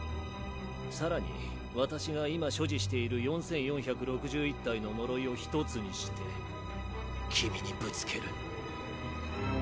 更に私が今所持している４４６１体の呪いを１つにして君にぶつける。